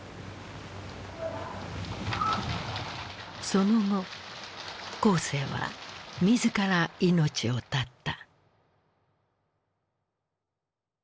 その後江青は自ら命を絶った。